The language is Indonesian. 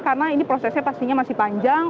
karena ini prosesnya pastinya masih panjang